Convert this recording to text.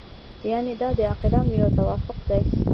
یعنې دا د عاقلانو یو توافق دی.